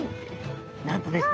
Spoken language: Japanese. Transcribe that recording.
なんとですね